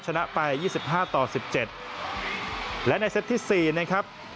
ชนะไปยี่สิบห้าต่อสิบเจ็ดและในเซตที่๔นะครับ